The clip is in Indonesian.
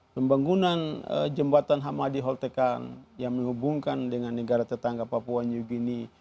pembangunan jembatan hamadi holtekan yang menghubungkan dengan negara tetangga papua new guinea